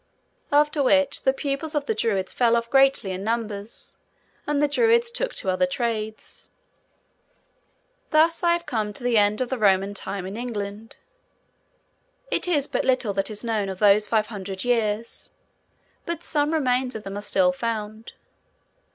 After which, the pupils of the Druids fell off greatly in numbers, and the Druids took to other trades. Thus I have come to the end of the Roman time in England. It is but little that is known of those five hundred years; but some remains of them are still found.